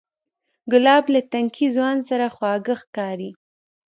ګلاب له تنکي ځوان سره خواږه ښکاري.